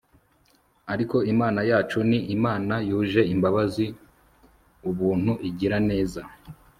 ariko imana yacu ni imana yuje imbabazi, ubuntu, igira neza